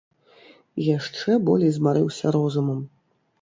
Яшчэ болей змарыўся розумам.